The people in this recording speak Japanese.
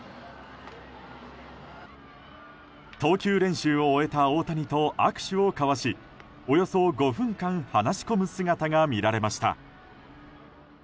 投球練習を終えた大谷と握手を交わしおよそ５分間話し込む姿が見られました。